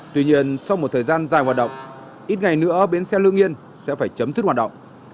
tuy nhiên sau một thời gian dài hoạt động ít ngày nữa bến xe lương yên sẽ phải chấm dứt hoạt động